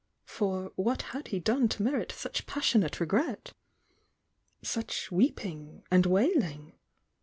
For what had he done to merit such passionate regret? — such weeping and wailing?